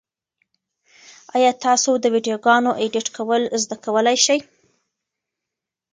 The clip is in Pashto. ایا تاسو د ویډیوګانو ایډیټ کول زده کولای شئ؟